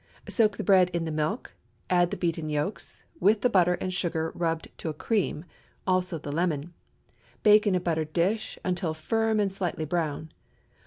Soak the bread in the milk; add the beaten yolks, with the butter and sugar rubbed to a cream, also the lemon. Bake in a buttered dish until firm and slightly brown.